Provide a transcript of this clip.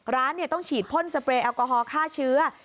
ร้านต้องฉีดพ่นสเปรย์แอลกอฮอลฆ่าเชื้อ